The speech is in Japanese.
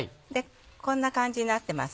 こんな感じになってます。